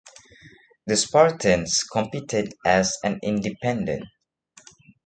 The Spartans competed as an independent.